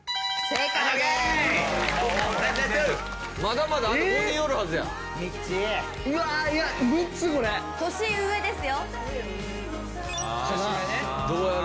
正解です。